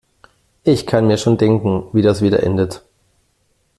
Ich kann mir schon denken, wie das wieder endet.